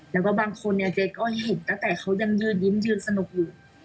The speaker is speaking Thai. แล้วก็บางคนเนี่ยเจ๊ก็เห็นตั้งแต่เขายังยืนยิ้มยืนสนุกอยู่